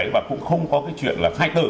và cũng không có cái chuyện là khai tử